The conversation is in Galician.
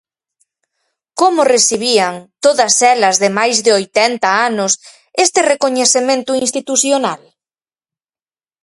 Como recibían, todas elas de máis de oitenta anos, este recoñecemento institucional?